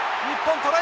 トライ！